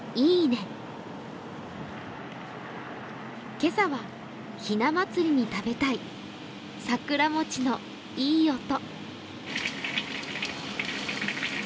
今朝は、ひな祭りに食べたい桜餅のいい音。